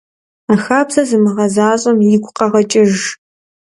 А хабзэр зымыгъэзащӀэм игу къэгъэкӀыж.